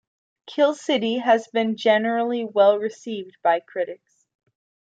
"Kill City" has been generally well received by critics.